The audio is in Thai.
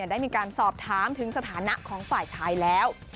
ได้มีการสอบถามถึงสถานะของฝ่ายชายแล้ว